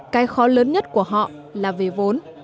cái khó lớn nhất của họ là về vốn